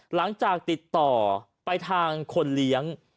หลังจากติดต่อไปทางคนเลี้ยง